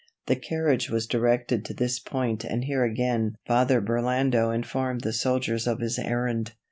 The carriage was directed to this point and here again Father Burlando informed the soldiers of his errand.